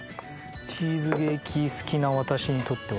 チーズケーキ好きな私にとっては。